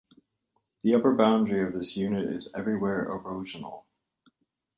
The upper boundary of this unit is everywhere erosional.